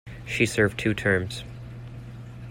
She served two terms.